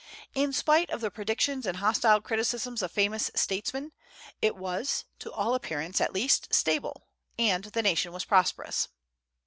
In spite of the predictions and hostile criticisms of famous statesmen, it was, to all appearance at least, stable, and the nation was prosperous.